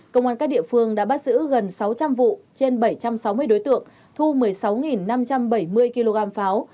công an các địa phương đã bắt giữ gần sáu trăm linh vụ trên bảy trăm sáu mươi đối tượng thu một mươi sáu năm trăm bảy mươi kg pháo